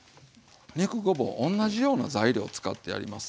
肉ごぼう同じような材料使ってやります。